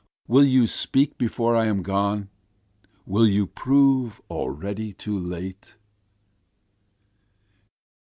Will you speak before I am gone? will you prove already too late?